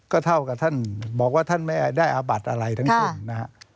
ก็เท่ากับท่านบอกว่าท่านไม่ได้อาบัติอะไรทั้งสิ้นนะฮะ